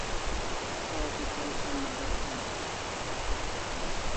Saw thi tai som madat karik